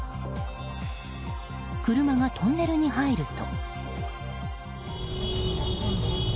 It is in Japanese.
車がトンネルに入ると。